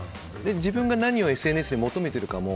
自分が何をＳＮＳに求めてるかも